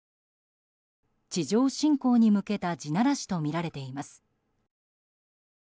地上侵攻に向けた地ならしとみられています。